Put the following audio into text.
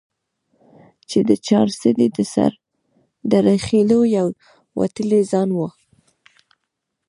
چې د چارسدي د سردرخيلو يو وتلے خان وو ،